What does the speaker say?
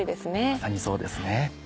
まさにそうですね。